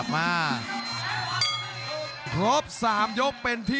รับทราบบรรดาศักดิ์